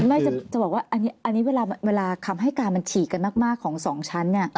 ไม่จะบอกว่าอันนี้เวลาคำให้การมันฉีกกันมากของ๒ชั้น